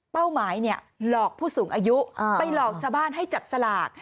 หมายหลอกผู้สูงอายุไปหลอกชาวบ้านให้จับสลาก